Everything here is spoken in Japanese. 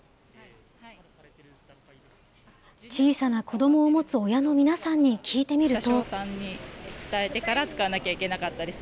小さな子どもを持つ親の皆さんに聞いてみると。